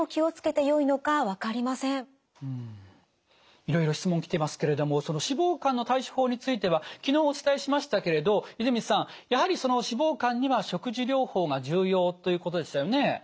いろいろ質問来ていますけれどもその脂肪肝の対処法については昨日お伝えしましたけれど泉さんやはり脂肪肝には食事療法が重要ということでしたよね。